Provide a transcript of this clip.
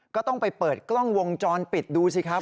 ก็ต้องไปเปิดกล้องวงจรปิดดูสิครับ